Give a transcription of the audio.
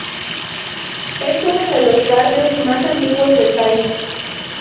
Es uno de los Barrios más antiguos del país.